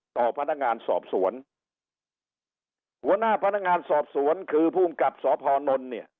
ต่อพนักงานสอบสวนหัวหน้าพนักงานสอบสวนคือภูมิกับสพนนท์เนี่ย